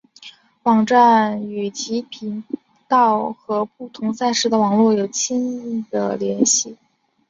网站与其频道和不同赛事的网络有紧密联系。